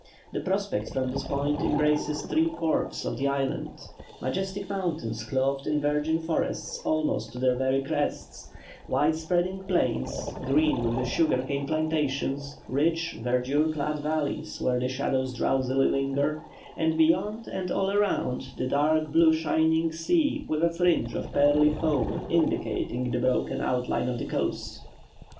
The prospect from this point embraces three fourths of the island; majestic mountains clothed in virgin forests almost to their very crests; wide spreading plains, green with the sugar cane plantations; rich verdure clad valleys where the shadows drowsily linger; and beyond, and all around, the dark blue shining sea with a fringe of pearly foam indicating the broken outline of the coast.